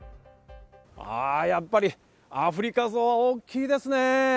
やっぱりアフリカゾウ、大きいですね！